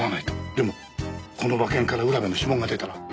でもこの馬券から浦部の指紋が出たら。